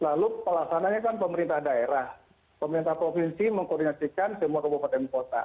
lalu pelaksananya kan pemerintah daerah pemerintah provinsi mengkoordinasikan semua kabupaten kota